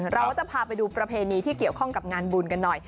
เราจะพาไปดูประเพณีที่เกี่ยวข้องกับงานบุญกันหน่อย